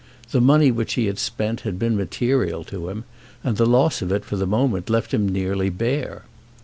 The money which he had spent had been material to him, and the loss of it for the moment left him nearly bare.